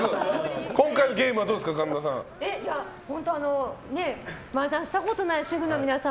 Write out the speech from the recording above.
今回のゲームはどうですか神田さん。